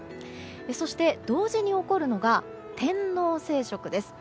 そして同時に起こるのが天王星食です。